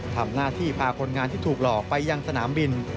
ทำหน้าที่พาคนงานที่ถูกหลอกไปยังสนามบิน